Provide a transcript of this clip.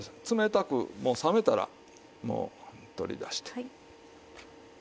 冷たくもう冷めたらもう取り出して。